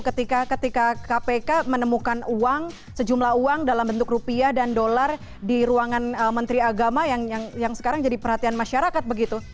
ketika kpk menemukan uang sejumlah uang dalam bentuk rupiah dan dolar di ruangan menteri agama yang sekarang jadi perhatian masyarakat begitu